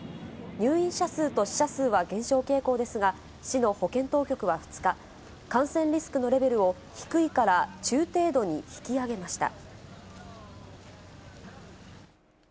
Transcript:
入院者数と死者数は減少傾向ですが、市の保健当局は２日、感染リスクのレベルを低いから中程度に引き上げました。